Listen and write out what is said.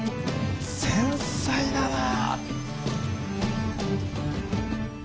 繊細だなぁ。